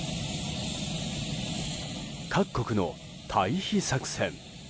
各国の退避作戦。